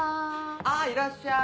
あいらっしゃい！